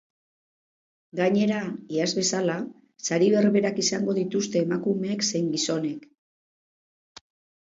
Gainera, iaz bezala, sari berberak izango dituzte emakumeek zein gizonek.